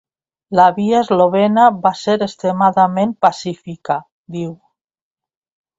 La via eslovena va ser extremadament pacífica, diu.